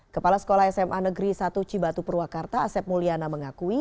kepala sekolah sma negeri satu cibatu purwakarta asep mulyana mengakui